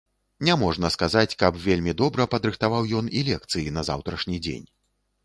Не можна сказаць, каб вельмі добра падрыхтаваў ён і лекцыі на заўтрашні дзень.